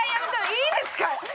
いいですか？